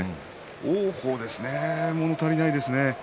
王鵬ですねもの足りないですね。